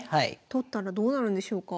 取ったらどうなるんでしょうか？